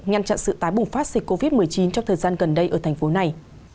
ngăn chặn sự tái bùng phát dịch covid một mươi chín trong thời gian gần đây ở thành phố này